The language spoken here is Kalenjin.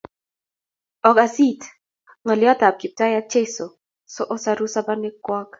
Ogas it ng'oliot ab Kiptaiyat Jeso so saru sobonwek kwok